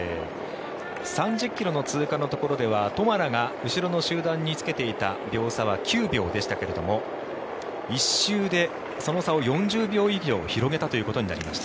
３０ｋｍの通過のところでは、トマラが後ろの集団につけていた秒差は９秒でしたが１周でその差を４０秒以上広げたということになります。